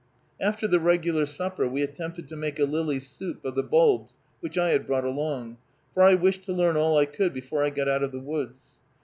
After the regular supper we attempted to make a lily soup of the bulbs which I had brought along, for I wished to learn all I could before I got out of the woods.